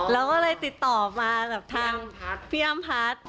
แล้วก็เลยติดต่อมาแบบทางพี่อ้ำพัชราภาค